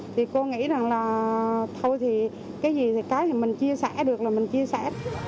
thì cô nghĩ rằng là thôi thì cái gì thì mình chia sẻ được là mình chia sẻ